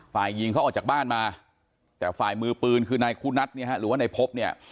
ฝ่ายหญิงเขาออกจากบ้านมาแต่ฝ่ายมือปืนคือนายคุณัทเนี่ยฮะหรือว่านายพบเนี่ย